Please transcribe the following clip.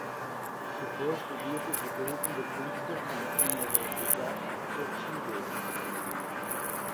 Zuvor studierte sie Bildende Künste an der Universidad de Chile.